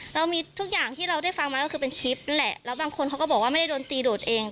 เรามีทุกอย่างที่เราได้ฟังมาก็คือเป็นคลิปแหละแล้วบางคนเขาก็บอกว่าไม่ได้โดนตีโดดเอง